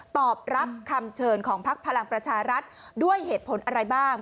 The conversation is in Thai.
ตอบรับคำเชิญของพักพลังประชารัฐด้วยเหตุผลอะไรบ้าง